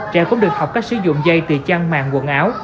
trẻ cũng được học cách sử dụng dây từ trang mạng quần áo